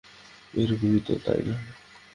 এরকমই তো, তাই না?